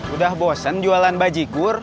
udah bosen jualan bajigur